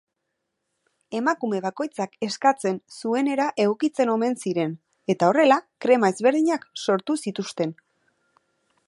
Emakume bakoitzak eskatzen zuenera egokitzen omen ziren eta horrela krema ezberdinak sortu zituzten.